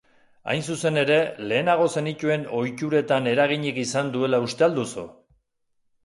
Hain zuzen ere, lehenago zenituen ohituretan eraginik izan duela uste al duzu?